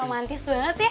romantis banget ya